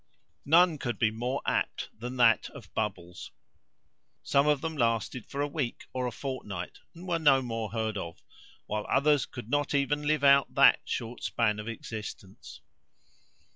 None could be more apt than that of Bubbles. Some of them lasted for a week or a fortnight, and were no more heard of, while others could not even live out that short span of existence.